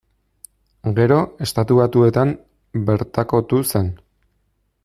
Gero, Estatu Batuetan bertakotu zen.